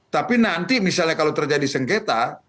tapi nanti misalnya kalau terjadi sengketa